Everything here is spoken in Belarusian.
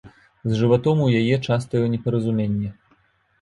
З жыватом у яе частыя непаразуменні.